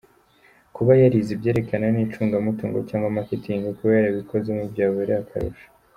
Kuba yarize ibyerekeranye n’icungamutungo cg Marketing, kuba yarabikozemo byaba ari akarusho.